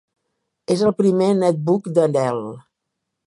És el primer netbook de Dell.